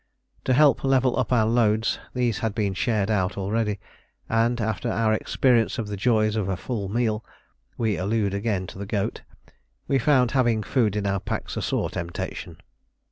To help level up our loads, these had been shared out already, and after our experience of the joys of a full meal we allude again to the goat we found having food in our packs a sore temptation.